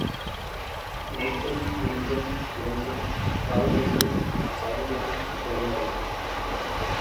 நேற்றும் இன்றும் என்றும் வாழ்க்கைக்குப் பயன்படும் பொதுமறை.